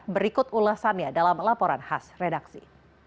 berikut ulasannya dalam laporan khas redaksi